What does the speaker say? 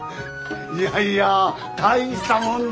いやいや大したもんだ。